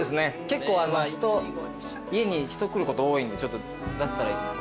結構家に人来ること多いんで出せたらいいですね。